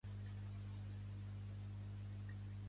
La portada mostra a la model Amanda Cazalet.